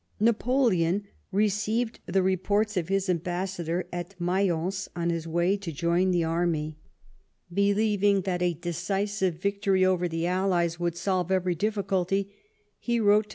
Napoleon received the reports of his ambassador at Mayence on his way to join the army. Believing that a ■decisive victory over the allies would solve every difficulty, lie wrote to M.